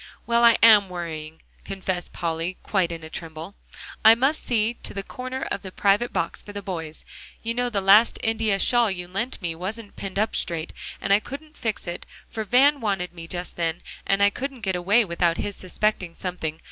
"Well, I am worrying," confessed Polly, quite in a tremble; "I must see to one corner of the private box for the boys. You know the last India shawl you lent me wasn't pinned up straight and I couldn't fix it, for Van wanted me just then, and I couldn't get away without his suspecting something.